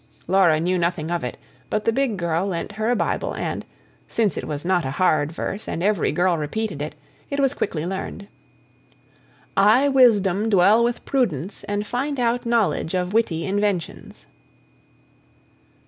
Laura knew nothing of it; but the big girl lent her a Bible, and, since it was not a hard verse and every girl repeated it, it was quickly learned. I WISDOM DWELL WITH PRUDENCE AND FIND OUT KNOWLEDGE OF WITTY INVENTIONS.